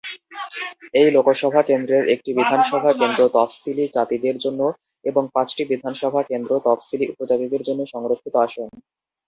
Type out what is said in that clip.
এই লোকসভা কেন্দ্রের একটি বিধানসভা কেন্দ্র তফসিলী জাতিদের জন্য এবং পাঁচটি বিধানসভা কেন্দ্র তফসিলী উপজাতিদের জন্য সংরক্ষিত আসন।